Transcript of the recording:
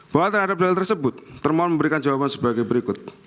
bahwa terhadap hal tersebut termohon memberikan jawaban sebagai berikut